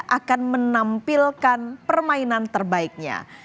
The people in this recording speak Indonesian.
akan menampilkan permainan terbaiknya